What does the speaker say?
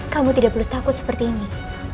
kamu tidak perlu takut seperti ini